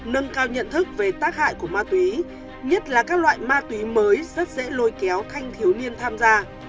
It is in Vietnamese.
nâng cao nhận thức về tác hại của ma túy nhất là các loại ma túy mới rất dễ lôi kéo thanh thiếu niên tham gia